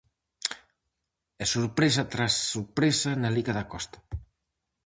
E sorpresa tras sorpresa na liga da Costa.